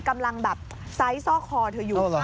กำลังแบบไซส์ซ่อคอเธออยู่